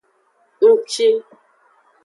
Ngci.